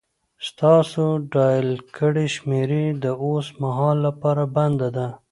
ستاسو ډائل کړې شمېره د اوس مهال لپاره بنده ده